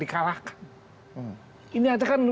ini aja kan menurut saya paling penting